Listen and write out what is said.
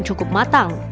dan cukup matang